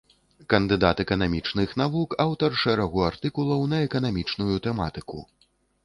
Кандыдат эканамічных навук, аўтар шэрагу артыкулаў на эканамічную тэматыку.